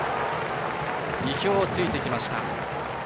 意表をついてきました。